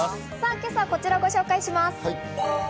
今朝、こちらをご紹介します。